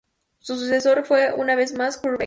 Su sucesor fue una vez más Kurt Beck.